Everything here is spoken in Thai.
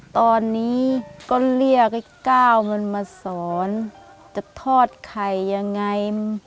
ตอนนี้ก็เรียกไอ้ก้าวเงินมาสอนจะทอดไข่ยังไง